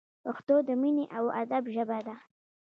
پښتو د مینې او ادب ژبه ده!